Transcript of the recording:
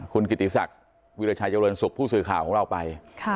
คุณกิติศักดิ์โวรณสกผู้สื่อข่าวของเราไป